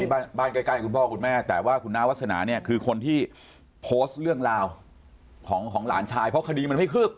บ้านบ้านใกล้คุณพ่อคุณแม่แต่ว่าคุณน้าวัฒนาเนี่ยคือคนที่โพสต์เรื่องราวของหลานชายเพราะคดีมันไม่คืบ